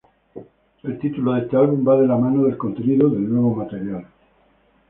El título de este álbum va de la mano del contenido del nuevo material.